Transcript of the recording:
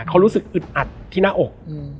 กลายรู้สึกอึดอัดออก